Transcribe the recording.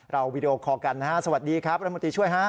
วีดีโอคอลกันนะฮะสวัสดีครับรัฐมนตรีช่วยฮะ